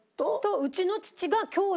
うちの父が兄弟。